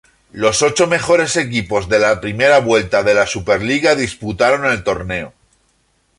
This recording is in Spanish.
Los ocho mejores equipos de la primera vuelta de la Superliga disputaron el torneo.